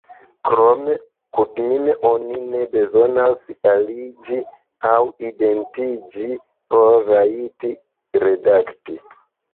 Krome, kutime oni ne bezonas aliĝi aŭ identiĝi por rajti redakti.